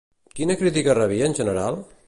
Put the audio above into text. Quina crítica rebia en general?